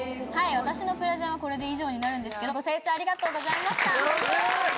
私のプレゼンはこれで以上になるんですけど。